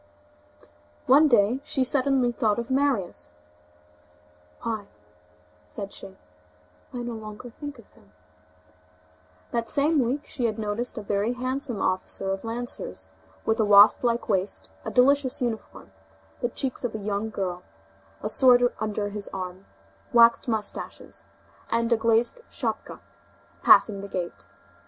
One day she suddenly thought of Marius: "Why!" said she, "I no longer think of him." That same week, she noticed a very handsome officer of lancers, with a wasp like waist, a delicious uniform, the cheeks of a young girl, a sword under his arm, waxed moustaches, and a glazed schapka, passing the gate.